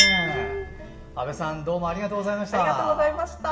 阿部さんどうもありがとうございました。